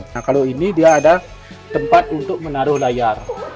nah kalau ini dia ada tempat untuk menaruh layar